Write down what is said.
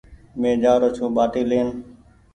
مين جآرو ڇون ٻآٽي لين ۔